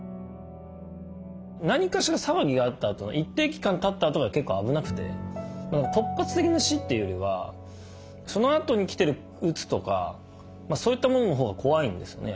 何かしら騒ぎがあったあとの一定期間たったあとが結構危なくて突発的な死というよりはそのあとに来てるうつとかそういったもののほうが怖いんですよね